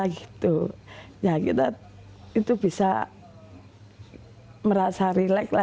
kita bisa merasa rileks